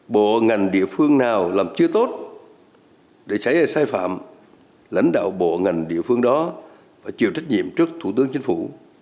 bộ ngành địa phương nào làm chưa tốt để xảy ra sai phạm lãnh đạo bộ ngành địa phương đó phải chịu trách nhiệm trước thủ tướng chính phủ